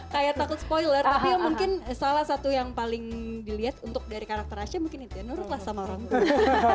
kayak takut spoiler tapi mungkin salah satu yang paling dilihat untuk dari karakter asya mungkin ya nurut lah sama orang tua